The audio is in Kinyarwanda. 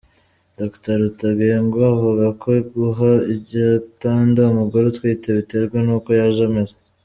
Dr Rutagengwa avuga ko guha igitanda umugore utwite biterwa n’uko yaje ameze.